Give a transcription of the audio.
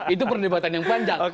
itu perdebatan yang panjang